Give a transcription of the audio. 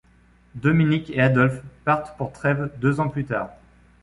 Dominique et Adolphe partent pour Trèves deux ans plus tard.